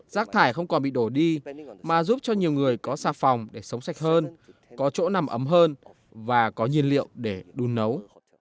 rác thải không còn bị đổ đi mà giúp cho nhiều người có xà phòng để sống sạch hơn có chỗ nằm ấm hơn và có nhiên liệu để đun nấu